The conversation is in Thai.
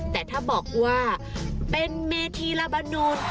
แต่ถ้าบอกว่าเป็นเมธีลาบานูต